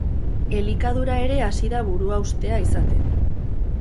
Elikadura ere hasi da buruhaustea izaten.